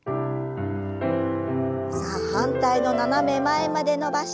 さあ反対の斜め前まで伸ばして戻します。